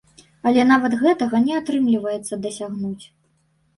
Але нават гэтага не атрымліваецца дасягнуць.